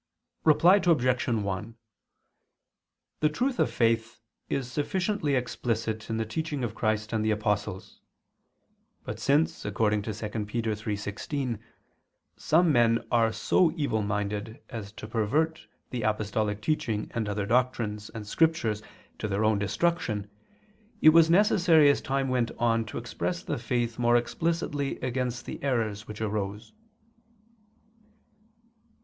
Reply Obj. 1: The truth of faith is sufficiently explicit in the teaching of Christ and the apostles. But since, according to 2 Pet. 3:16, some men are so evil minded as to pervert the apostolic teaching and other doctrines and Scriptures to their own destruction, it was necessary as time went on to express the faith more explicitly against the errors which arose.